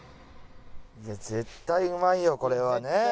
絶対うまいよこれはね。